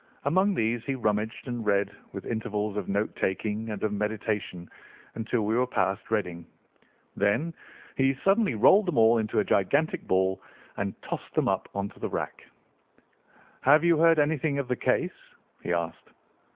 Among these he rummaged and read, with intervals of note taking and of meditation, until we were past Reading. Then he suddenly rolled them all into a gigantic ball and tossed them up onto the rack. "Have you heard anything of the case?" he asked.